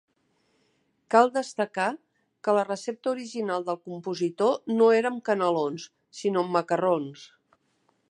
Cal destacar que la recepta original del compositor no era amb canelons, sinó macarrons.